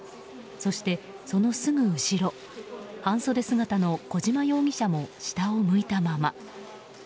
そして、そのすぐ後ろ半袖姿の小島容疑者も下を向いたまま。